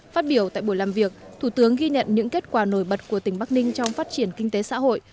phát biểu tại buổi làm việc thủ tướng ghi nhận những kết quả nổi bật của tỉnh bắc ninh trong phát triển kinh tế xã hội